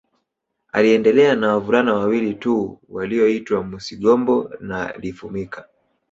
Aliendelea na wavulana wawili tu walioitwa Musigombo na Lifumika